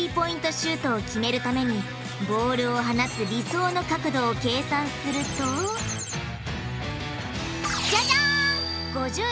シュートを決めるためにボールを放つ理想の角度を計算するとじゃじゃん！